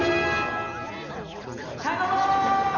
たのもう！